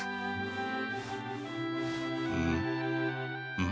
うん？